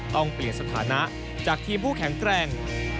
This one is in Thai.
ต้องเปลี่ยนสถานะจากทีมผู้แข็งแกร่ง